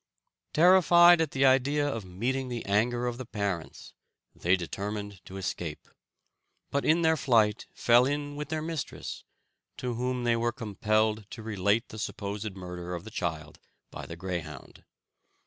"Terrified at the idea of meeting the anger of the parents, they determined to escape; but in their flight fell in with their mistress, to whom they were compelled to relate the supposed murder of the child by the greyhound.